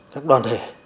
các đoàn thể